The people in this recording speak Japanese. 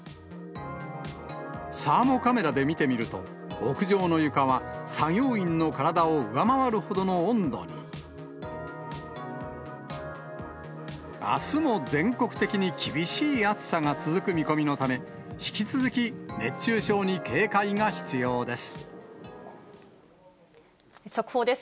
サーモカメラで見てみると、あすも全国的に厳しい暑さが続く見込みのため、引き続き熱中症に速報です。